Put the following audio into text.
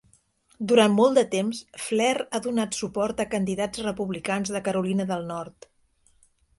Durant molt de temps, Flair ha donat suport a candidats republicans de Carolina del Nord.